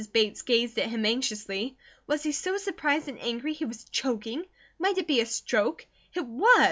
Bates gazed at him anxiously. Was he so surprised and angry he was choking? Might it be a stroke? It was!